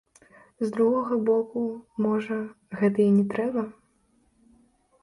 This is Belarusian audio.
З другога боку, можа, гэта і не трэба?